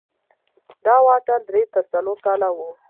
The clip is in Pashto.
دا واټن درې تر څلور کاله و.